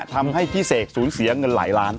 ทำให้พี่เสกสูญเสียเงินหลายล้าน